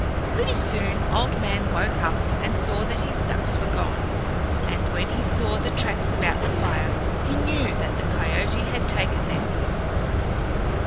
Pretty soon Old Man woke up and saw that his ducks were gone, and when he saw the tracks about the fire, he knew that the coyote had taken them.